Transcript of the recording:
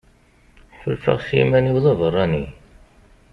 Ḥulfaɣ s yiman-iw d abeṛṛani.